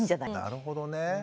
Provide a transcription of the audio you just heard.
なるほどね。